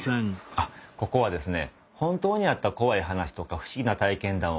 あっここはですね